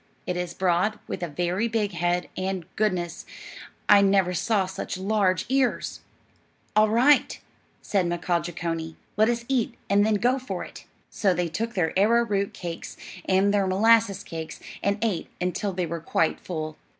It is broad, with a very big head, and, goodness, I never saw such large ears!" "All right," said Mkaaah Jeechonee; "let us eat, and then go for it." So they took their arrowroot cakes, and their molasses cakes, and ate until they were quite full.